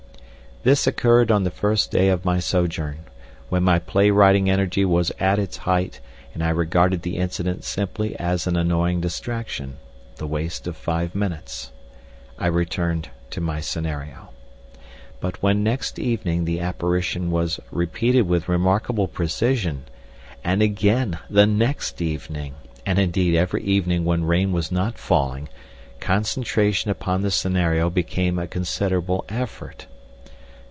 This occurred on the first day of my sojourn, when my play writing energy was at its height and I regarded the incident simply as an annoying distraction—the waste of five minutes. I returned to my scenario. But when next evening the apparition was repeated with remarkable precision, and again the next evening, and indeed every evening when rain was not falling, concentration upon the scenario became a considerable effort.